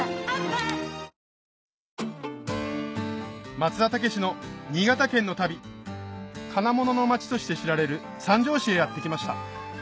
松田丈志の新潟県の旅金物の町として知られる三条市へやって来ました